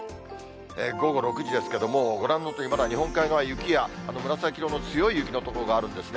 午後６時ですけども、もうご覧のとおり、まだ日本海側、雪や、紫色の強い雪の所があるんですね。